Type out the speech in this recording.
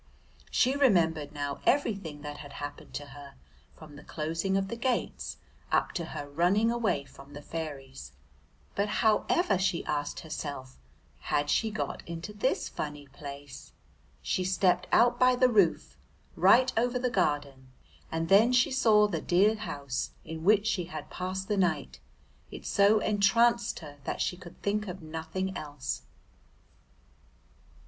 She remembered now everything that had happened to her from the closing of the gates up to her running away from the fairies, but however, she asked herself, had she got into this funny place? She stepped out by the roof, right over the garden, and then she saw the dear house in which she had passed the night. It so entranced her that she could think of nothing else.